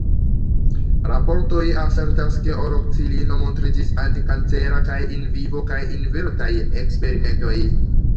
Raportoj asertas ke oroksilino montriĝis antikancera kaj in vivo kaj in vitraj eksperimentoj.